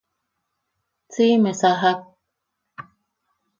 Siʼime sajak.